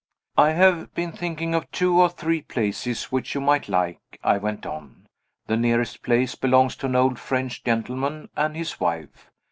"I have been thinking of two or three places which you might like," I went on. "The nearest place belongs to an old French gentleman and his wife.